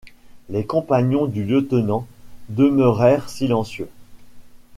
Les compagnons du lieutenant demeurèrent silencieux.